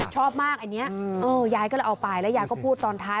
ชอบมากอันนี้ยายก็เลยเอาไปแล้วยายก็พูดตอนท้าย